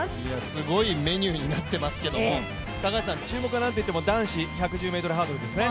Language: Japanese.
すごいメニューになってますけど、高橋さん、注目はなんといっても男子１００ｍハードルですよね。